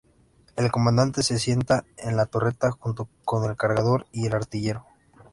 El comandante se sienta en la torreta junto con el cargador y el artillero.